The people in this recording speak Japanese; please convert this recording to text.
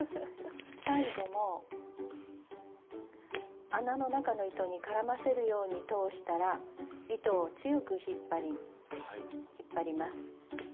最後も穴の中の糸に絡ませるように通したら糸を強く引っ張ります。